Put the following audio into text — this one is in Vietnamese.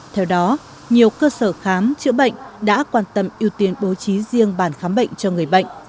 theo đó nhiều cơ sở khám chữa bệnh đã quan tâm ưu tiên bố trí riêng bản khám bệnh cho người bệnh